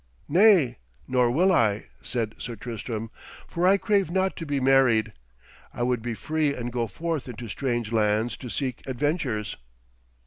'Nay, nor will I,' said Sir Tristram, 'for I crave not to be married. I would be free and go forth into strange lands to seek adventures.'